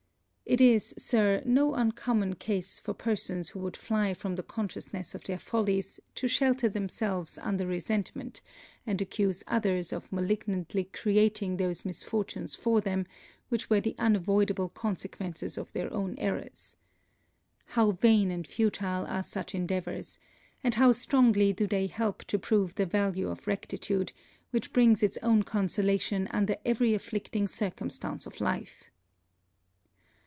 It is, Sir, no uncommon case for persons who would fly from the consciousness of their follies to shelter themselves under resentment, and accuse others of malignantly creating those misfortunes for them which were the unavoidable consequences of their own errors. How vain and futile are such endeavours; and how strongly do they help to prove the value of rectitude, which brings its own consolation under every afflicting circumstance of life.